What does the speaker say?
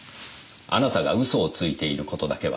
あなたが嘘をついていることだけは確かです。